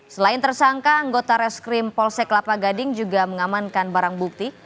selain tersangka anggota reskrim polsek kelapa gading juga mengamankan barang bukti